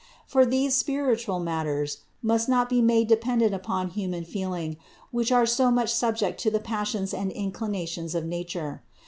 For these spiritual matters must not be made dependent upon human feeling, which are so much subject to the passions and inclinations of nature.